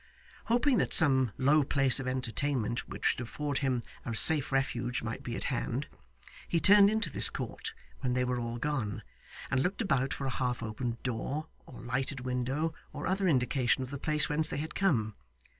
Hoping that some low place of entertainment which would afford him a safe refuge might be near at hand, he turned into this court when they were all gone, and looked about for a half opened door, or lighted window, or other indication of the place whence they had come.